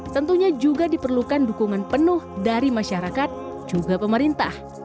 tentunya juga diperlukan dukungan penuh dari masyarakat juga pemerintah